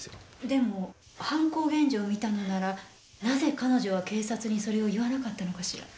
でも犯行現場を見たのならなぜ彼女は警察にそれを言わなかったのかしら？